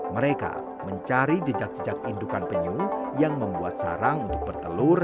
mereka mencari jejak jejak indukan penyu yang membuat sarang untuk bertelur